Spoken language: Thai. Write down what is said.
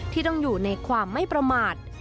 ที่ต้องอยู่ในความไม่ประมาท